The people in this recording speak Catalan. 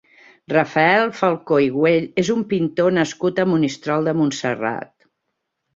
Rafael Falcó i Güell és un pintor nascut a Monistrol de Montserrat.